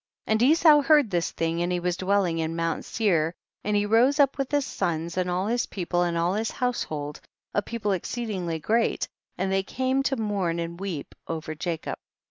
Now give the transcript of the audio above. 47. And Esau heard this thing, and he was dwelling in mount Seir, and he rose up with his sons and all his people and all his household, a people exceedingly great, and they came to mourn and weep over Jacob.